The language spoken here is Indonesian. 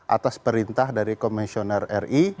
atas perintah dari komisioner ri